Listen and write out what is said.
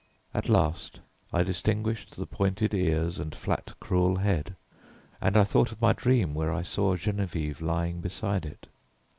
At last I distinguished the pointed ears and flat cruel head, and I thought of my dream where I saw Geneviève lying beside it.